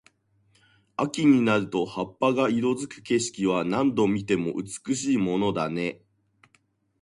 秋になると葉っぱが色付く景色は、何度見ても美しいものだね。